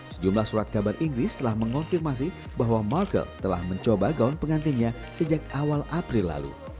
sejumlah surat kabar inggris telah mengonfirmasi bahwa markle telah mencoba gaun pengantinnya sejak awal april lalu